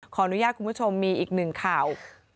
ขออนุญาตคุณผู้ชมมีอีกหนึ่งข่าว